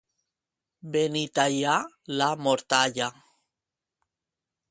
Benitaia, la mortalla.